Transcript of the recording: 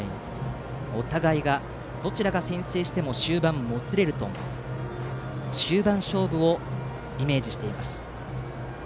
お互いがどちらが先制しても終盤もつれると思うと終盤勝負をイメージしています。